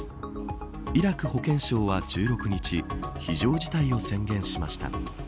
イラク保健省は１６日非常事態を宣言しました。